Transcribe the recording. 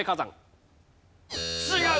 違う。